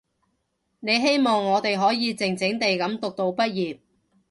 你希望我哋可以靜靜地噉讀到畢業